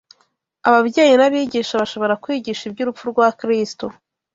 ababyeyi n’abigisha bashobora kwigisha iby’urupfu rwa Kristo